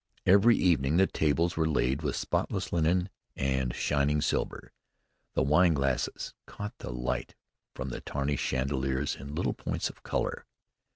Every evening the tables were laid with spotless linen and shining silver. The wineglasses caught the light from the tarnished chandeliers in little points of color.